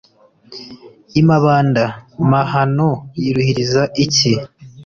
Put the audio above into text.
i mabanda, mahano yiruhiriza iki ?